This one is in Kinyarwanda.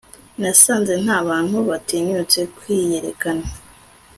Nasanze nta bantu batinyutse kwiyerekana